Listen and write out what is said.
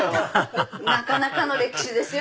ハハハハなかなかの歴史ですよ